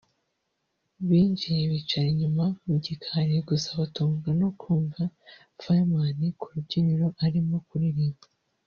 binjiye bicara inyuma mu gikari gusa batungurwa no kumva Fireman k’urubyiniro arimo kuririmba